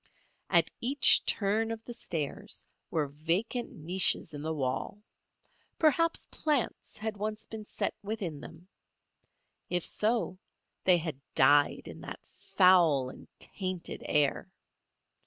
At each turn of the stairs were vacant niches in the wall. Perhaps plants had once been set within them. If so they had died in that foul and tainted air.